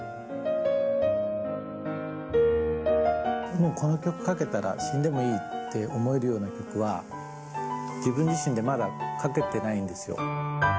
もうこの曲書けたら死んでもいいって思えるような曲は自分自身でまだ書けてないんですよ。